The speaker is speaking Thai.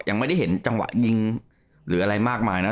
ยังไม่ได้เห็นจังหวะยิงหรืออะไรมากมายนะ